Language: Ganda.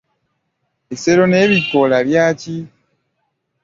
Ekisero n'ebikoola byaki?